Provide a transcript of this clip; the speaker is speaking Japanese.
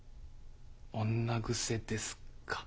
女癖ですか？